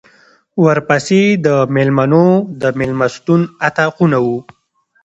ورپسې د مېلمنو د مېلمستون اطاقونه و.